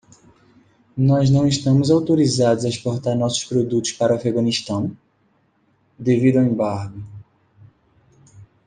Nós não estamos autorizados a exportar nossos produtos para o Afeganistão? devido ao embargo.